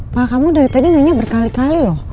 pak kamu dari tadi nanya berkali kali loh